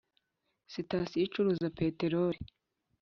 sitasiyo icuruza peteroli